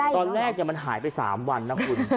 ตอนแรกมันหายไป๓วันนะคุณ